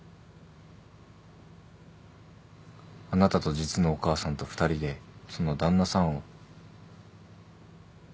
あなたと実のお母さんと２人でその旦那さんを。